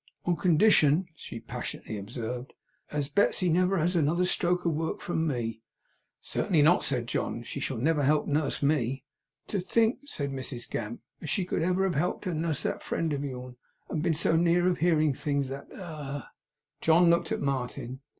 'On condition,' she passionately observed, 'as Betsey never has another stroke of work from me.' 'Certainly not,' said John. 'She shall never help to nurse ME.' 'To think,' said Mrs Gamp, 'as she should ever have helped to nuss that friend of yourn, and been so near of hearing things that Ah!' John looked at Martin.